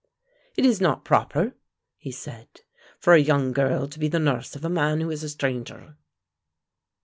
"It is not proper," he said, "for a young girl to be the nurse of a man who is a stranger."